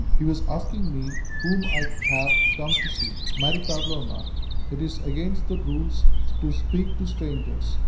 "He was asking me whom I have come to see." "Mary Pavlovna, it is against the rules to speak to strangers.